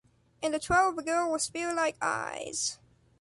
in the trove a girl with spear-like eyes